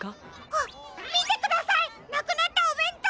あっみてくださいなくなったおべんとうです！